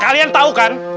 kalian tau kan